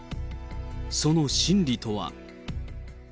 その心理とは。